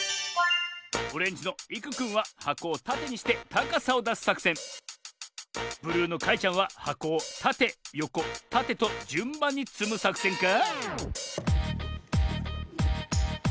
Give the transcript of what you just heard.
オレンジのいくくんははこをたてにしてたかさをだすさくせんブルーのかいちゃんははこをたてよこたてとじゅんばんにつむさくせんか？